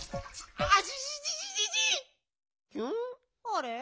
あれ？